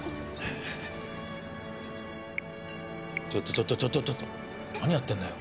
ちょっとちょっとちょっと何やってんのよ？